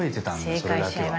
それだけは。